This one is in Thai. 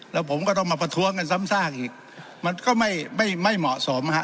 แล้วผมก็ต้องมาประท้วงกันซ้ำซากอีกมันก็ไม่ไม่เหมาะสมฮะ